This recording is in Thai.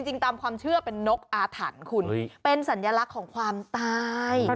จริงตามความเชื่อเป็นนกอาถรรพ์คุณเป็นสัญลักษณ์ของความตาย